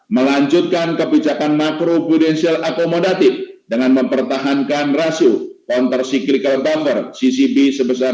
lima melanjutkan kebijakan makro budensil akomodatif dengan mempertahankan rasio kontrasikrikal dover ccb sebesar